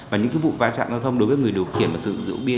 và những vụ va chạm giao thông đối với người điều khiển và sử dụng rượu bia